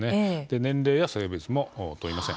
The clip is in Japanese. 年齢や性別も問いません。